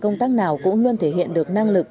công tác nào cũng luôn thể hiện được năng lực